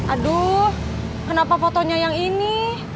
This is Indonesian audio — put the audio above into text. aduh kenapa fotonya yang ini